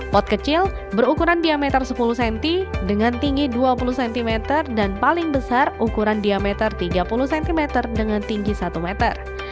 pot kecil berukuran diameter sepuluh cm dengan tinggi dua puluh cm dan paling besar ukuran diameter tiga puluh cm dengan tinggi satu meter